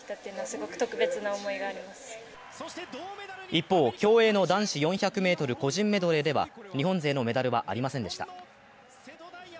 一方、競泳の男子４００ｍ個人メドレーでは、日本勢のメダルはありませんでした。